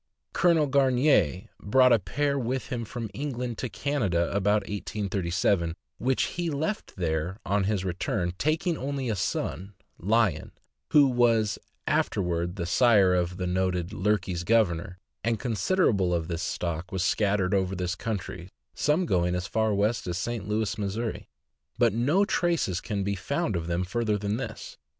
Colonel Gamier brought a pair with 576 THE AMERICAN BOOK OF THE DOG. him from England to Canada about 1837, which he left there on his return, taking only a son, Lion, who was afterward the sire of the noted Lukey's Governor, and considerable of this stock was scattered over this country, some going as far west as St. Louis, Mo. ; but no traces can be found of them further than this.